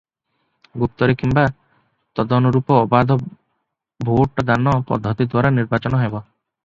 ଗୁପ୍ତରେ କିମ୍ୱା ତଦନୁରୂପ ଅବାଧ ଭୋଟ ଦାନ-ପଦ୍ଧତି ଦ୍ୱାରା ନିର୍ବାଚନ ହେବ ।